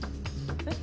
えっ？